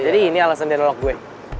jadi ini alasan dia nolak gue